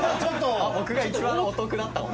僕が一番お得だったかも。